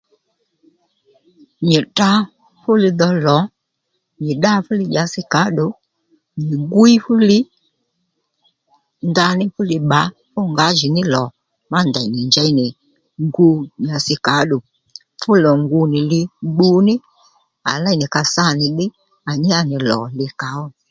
Nyì tdrǎ fúli dho lò nyì ddá fúli dyasi kàóddù nyì gwíy fúli ndaní fúli bbǎ fú ngǎjìní lò má ndèy nì njěy nì gu dyasi kǎddù fú lò ngu nì li gbu ní à léy nì ka sa nì ddiy à nyá nì lò li kàó